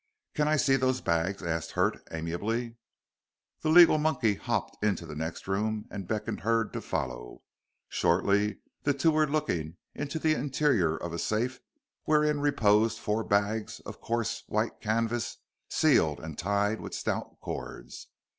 "Can I see those bags?" asked Hurd, amiably. The legal monkey hopped into the next room and beckoned Hurd to follow. Shortly the two were looking into the interior of a safe wherein reposed four bags of coarse white canvas sealed and tied with stout cords.